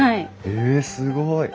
へえすごい！